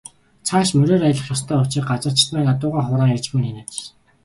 Цааш мориор аялах ёстой учир газарчид маань адуугаа хураан ирж буй нь энэ аж.